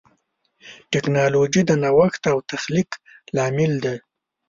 ټکنالوجي د نوښت او تخلیق لامل ده.